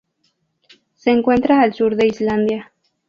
Se encuentra al sur de Islandia.